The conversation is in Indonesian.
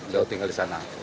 jauh tinggal di sana